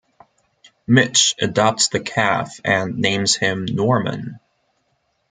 Mitch adopts the calf and names him Norman.